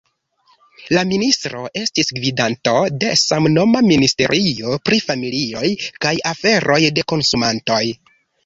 La ministro estis gvidanto de samnoma ministerio pri familioj kaj aferoj de konsumantoj.